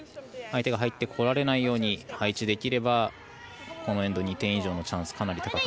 相手が入ってこられないように配置できればこのエンド、２点以上のチャンス